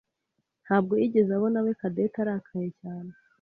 ntabwo yigeze abonawe Cadette arakaye cyane.